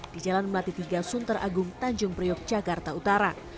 di jalan melati tiga sunter agung tanjung priok jakarta utara